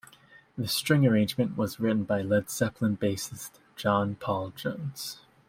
The string arrangement was written by Led Zeppelin bassist John Paul Jones.